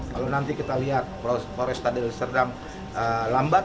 kalau nanti kita lihat polres tandeli cerdang lambat